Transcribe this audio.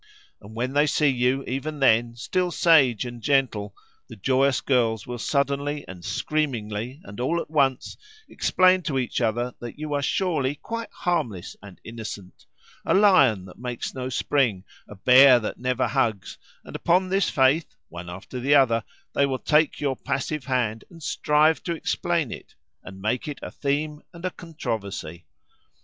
And when they see you even then still sage and gentle, the joyous girls will suddenly and screamingly, and all at once, explain to each other that you are surely quite harmless and innocent, a lion that makes no spring, a bear that never hugs, and upon this faith, one after the other, they will take your passive hand, and strive to explain it, and make it a theme and a controversy.